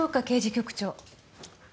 刑事局長。